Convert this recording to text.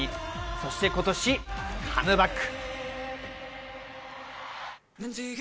そして今年、カムバック。